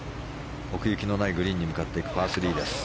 奥行きのないグリーンに向かっていくパー３です。